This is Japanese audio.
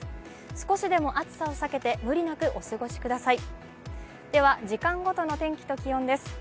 少しでも暑さを避けて、無理なくお過ごしください。